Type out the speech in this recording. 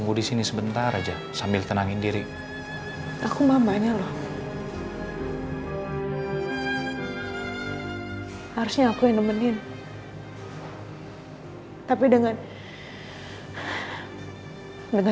gue bawa telepon